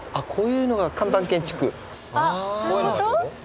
そういうこと？